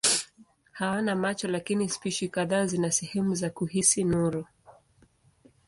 Hawana macho lakini spishi kadhaa zina sehemu za kuhisi nuru.